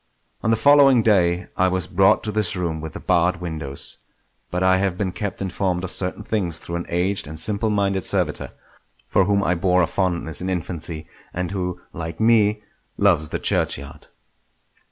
On the following day I was brought to this room with the barred windows, but I have been kept informed of certain things through an aged and simple minded servitor, for whom I bore a fondness in infancy, and who like me loves the churchyard.